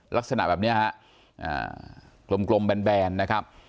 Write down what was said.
ลักษณะแบบเนี้ยฮะอ่ากลมกลมแบนแบนนะครับ